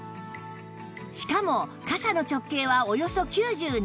しかも傘の直径はおよそ９７センチ